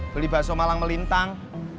beli bakso malang melintang